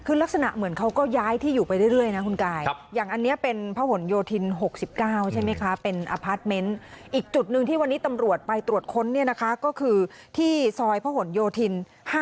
คือลักษณะเหมือนเขาก็ย้ายที่อยู่ไปเรื่อยนะคุณกายอย่างอันนี้เป็นพระหลโยธิน๖๙ใช่ไหมคะเป็นอพาร์ทเมนต์อีกจุดหนึ่งที่วันนี้ตำรวจไปตรวจค้นเนี่ยนะคะก็คือที่ซอยพระหลโยธิน๕๗